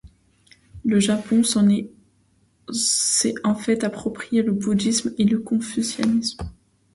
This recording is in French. Le Japon s'est en effet approprié le Bouddhisme et le Confucianisme.